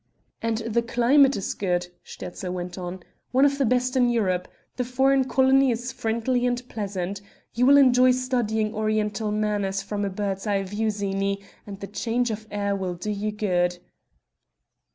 "And the climate is good," Sterzl went on, "one of the best in Europe; the foreign colony is friendly and pleasant. You will enjoy studying oriental manners from a bird's eye view, Zini; and the change of air will do you good?"